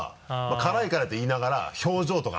辛い辛いって言いながら表情とか。